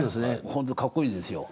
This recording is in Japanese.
本当、かっこいいですよ